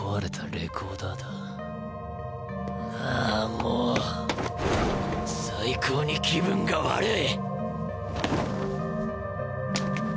もう最高に気分が悪い！